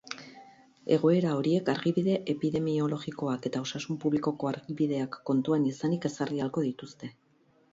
Egoera horiek argibide epidemiologikoak eta osasun publikoko argibideak kontuan izanik ezarri ahalko dituzte.